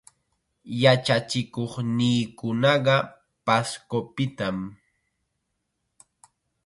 Yachachikuqniikunaqa Pascopitam.